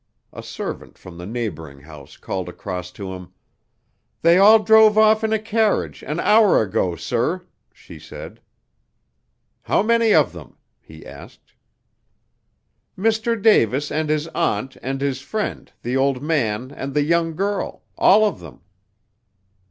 A servant from the neighboring house called across to him: "They all drove off in a carriage an hour ago, sir," she said. "How many of them?" he asked. "Mr. Davis and his aunt and his friend, the old man, and the young girl all of them."